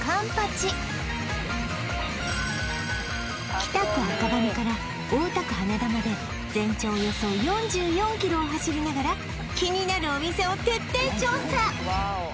北区赤羽から大田区羽田まで全長およそ４４キロを走りながら気になるお店を徹底調査